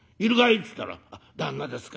っつったら『旦那ですか。